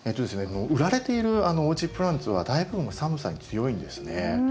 売られているオージープランツは大部分は寒さに強いんですね。